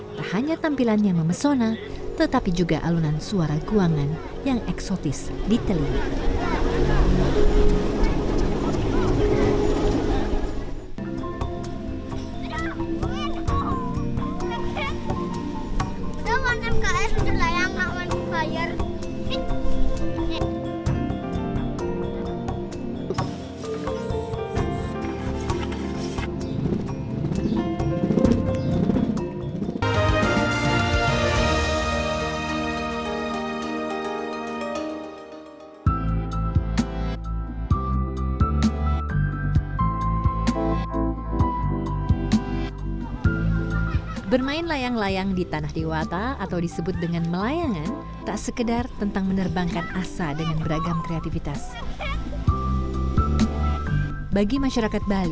tidak hanya tampilannya memesona tetapi juga alunan suara guangan yang eksotis di telir